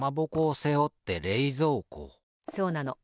そうなの。